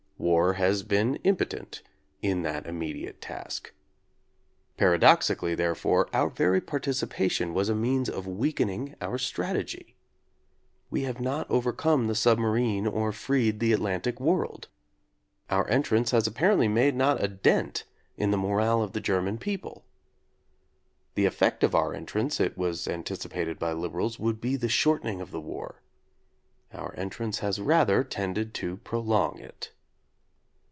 War has been impotent in that im mediate task. Paradoxically, therefore, our very participation was a means of weakening our strategy. We have not overcome the submarine or freed the Atlantic world. Our entrance has apparently made not a dent in the morale of the German people. The effect of our entrance, it was anticipated by liberals, would be the shorten ing of the war. Our entrance has rather tended to prolong it.